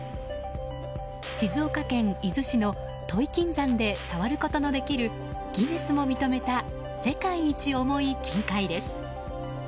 静岡県伊豆市の土肥金山で触ることのできるギネスも認めた世界一重い金塊です。